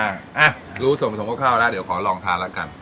อ่ะรู้สมมุติของข้าวแล้วเดี๋ยวขอลองทานละกัน